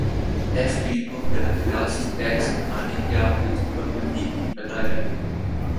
F B کو براہ راست ٹیکس بڑھانے کی منصوبہ بندی کی ہدایت